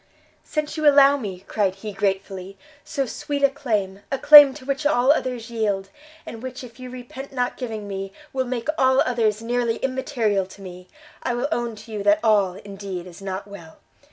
"Since you allow me," cried he, gratefully, "so sweet a claim, a claim to which all others yield, and which if you repent not giving me, will make all others nearly immaterial to me, I will own to you that all, indeed, is not well!